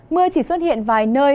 mưa chỉ xuất hiện vài nơi